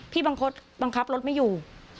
บางคนบังคับรถไม่อยู่